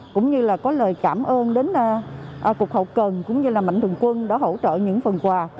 cũng như là có lời cảm ơn đến cục hậu cần cũng như là mạnh thường quân đã hỗ trợ những phần quà